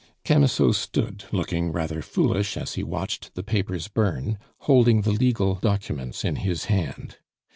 Camusot stood, looking rather foolish as he watched the papers burn, holding the legal documents in his hand.